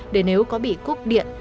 để nếu có bị cúp điện